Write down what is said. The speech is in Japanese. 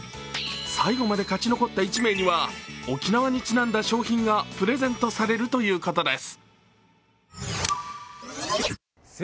最後まで勝ち残った１名には沖縄にちなんだ賞品がプレゼントされるということです。